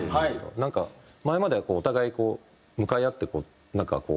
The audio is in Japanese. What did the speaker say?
なんか前まではお互いこう向かい合ってなんかこう。